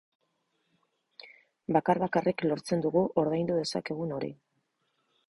Bakar-bakarrik lortzen dugu ordaindu dezakegun hori.